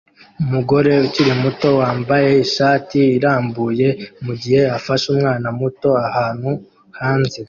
Umugore ukiri muto wambaye ishati irambuye mugihe afashe umwana muto ahantu hanze